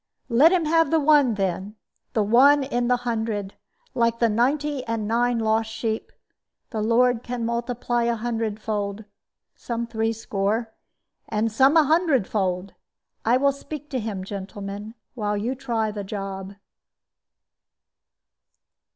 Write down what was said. "Let him have the one, then, the one in the hundred, like the ninety and nine lost sheep. The Lord can multiply a hundredfold some threescore, and some an hundredfold. I will speak to Him, gentlemen, while you try the job."